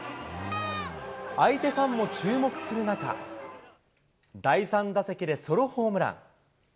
相手ファンも注目する中、第３打席でソロホームラン。